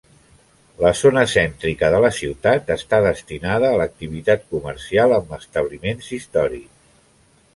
La zona cèntrica de la ciutat està destinada a l'activitat comercial amb establiments històrics.